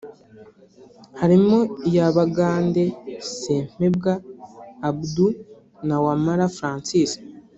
harimo iya Abagande Sempebwa Abdu na Wamala Francis